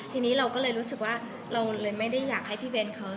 ทีนี้เราก็เลยรู้สึกว่าเราเลยไม่ได้อยากให้พี่เบ้นเขา